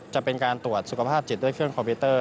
จะเป็นการตรวจสุขภาพจิตด้วยเครื่องคอมพิวเตอร์